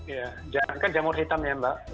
ya jangan kan jamur hitam ya mbak